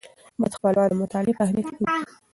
باید خپلوان د مطالعې په اهمیت پوه کړو.